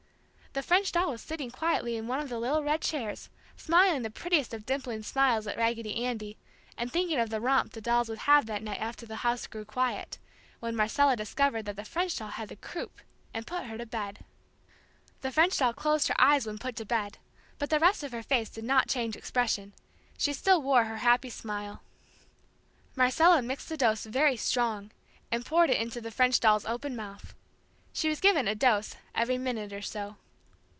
The French doll was sitting quietly in one of the little red chairs, smiling the prettiest of dimpling smiles at Raggedy Andy, and thinking of the romp the dolls would have that night after the house grew quiet, when Marcella discovered that the French doll had the "croup" and put her to bed. The French doll closed her eyes when put to bed, but the rest of her face did not change expression. She still wore her happy smile. [Illustration: Marcella caring for the sick] Marcella mixed the medicine very "strong" and poured it into the French doll's open mouth. She was given a "dose" every minute or so.